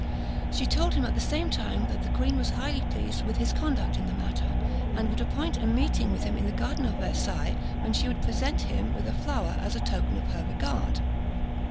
She told him at the same time that the queen was highly pleased with his conduct in the matter, and would appoint a meeting with him in the gardens of Versailles, when she would present him with a flower, as a token of her regard.